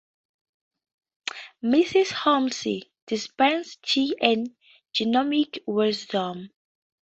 Mrs. Holmes dispensed tea and gnomic wisdom.